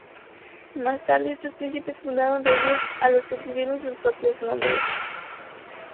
Más tarde estos príncipes fundaron reinos a los que pusieron sus propios nombres.